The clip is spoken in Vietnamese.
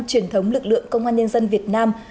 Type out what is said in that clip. truyền thống lực lượng công an nhân dân việt nam